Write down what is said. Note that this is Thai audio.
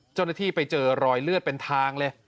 เจ้าหน้าที่ไปเจอรอยเลือดเป็นทางเลย